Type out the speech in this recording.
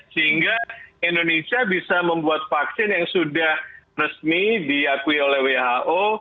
sehingga indonesia bisa membuat vaksin yang sudah resmi diakui oleh who